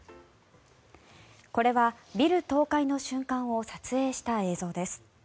これはビル倒壊の瞬間を撮影した映像です。